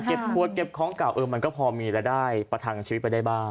เก็บขวดเก็บของเก่าเออมันก็พอมีแล้วได้ประทานกับชีวิตไปได้บ้าง